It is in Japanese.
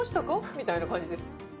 みたいな感じです。